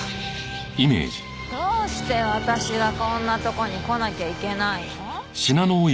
どうして私がこんなとこに来なきゃいけないの？